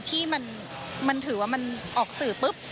ที่มันถือว่ามันออกสื่อปุ๊บ